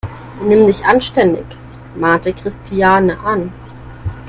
Benimm dich anständig!, mahnte Christiane an.